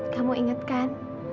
kamu ingat kan